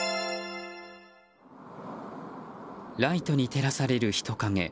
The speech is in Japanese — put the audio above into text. ライトに照らされる人影。